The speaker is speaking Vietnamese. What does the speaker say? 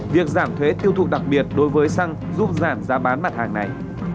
việc giảm thuế tiêu thụ đặc biệt đối với xăng giúp giảm giá bán mặt hàng này